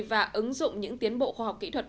và ứng dụng những tiến bộ khoa học kỹ thuật